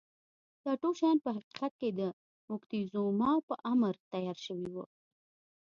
دا ټول شیان په حقیقت کې د موکتیزوما په امر تیار شوي وو.